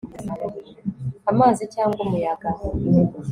amazi cyangwa umuyaga